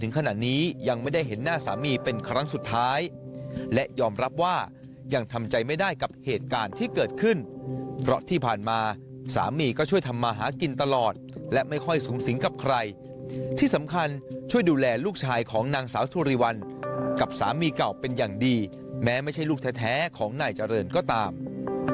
นางสาวสุริวัณภรรยาของผู้เสียชีวิตนางสาวสุริวัณภรรยาของผู้เสียชีวิตนางสาวสุริวัณภรรยาของผู้เสียชีวิตนางสาวสุริวัณภรรยาของผู้เสียชีวิตนางสาวสุริวัณภรรยาของผู้เสียชีวิตนางสาวสุริวัณภรรยาของผู้เสียชีวิตนางสาวสุริวัณภรรยาของผู้เสียชีวิตนางสา